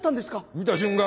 ⁉見た瞬間